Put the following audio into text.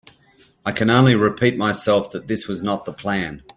I can only repeat myself that this was not the plan.